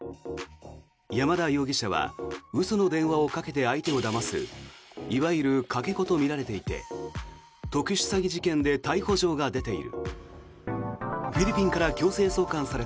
山田容疑者は嘘の電話をかけて相手をだますいわゆるかけ子とみられていて特殊詐欺事件で逮捕状が出ている。